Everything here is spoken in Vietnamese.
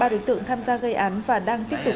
ba đối tượng tham gia gây án và đang tiếp tục